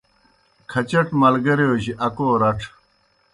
کھچٹہ ملگیریو جیْ اکو رڇھہ